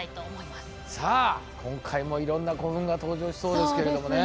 さあ今回もいろんな古墳が登場しそうですけれどもね。